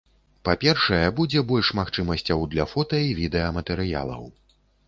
Па-першае, будзе больш магчымасцяў для фота- і відэаматэрыялаў.